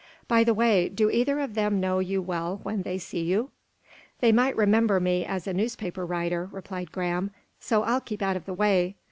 By the way, do either of them know you well when they see you?" "They might remember me as a newspaper writer," replied Graham. "So I'll keep out of the way."